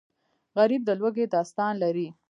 غریب د لوږې داستان لري